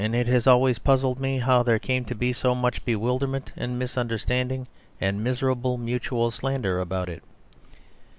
It has always puzzled me how there came to be so much bewilderment and misunderstanding and miserable mutual slander about it.